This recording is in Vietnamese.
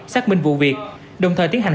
xác minh vụ việc đồng thời tiến hành